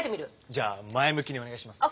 じゃあ前向きにお願いしますね。